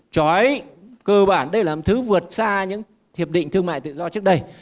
chói cơ bản đây là thứ vượt xa những hiệp định thương mại tự do trước đây